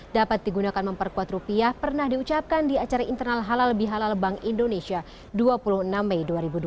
dapat digunakan memperkuat rupiah pernah diucapkan di acara internal halal bihalal bank indonesia dua puluh enam mei dua ribu dua puluh